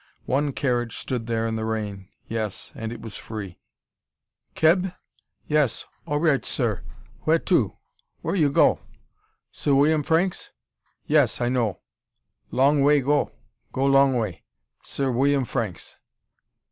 One carriage stood there in the rain yes, and it was free. "Keb? Yes orright sir. Whe'to? Where you go? Sir William Franks? Yes, I know. Long way go go long way. Sir William Franks."